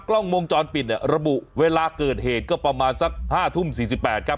กล้องโมงจรปิดเนี่ยระบุเวลาเกิดเหตุก็ประมาณสักห้าทุ่มสี่สิบแปดครับ